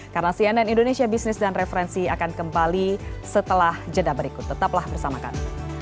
karena cnn indonesia business dan referensi akan kembali setelah jeda berikut tetaplah bersamakan